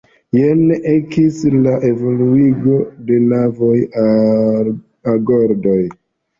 Jen ekis la evoluigo de novaj agordoj.